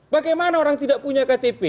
bagaimana orang tidak punya ktp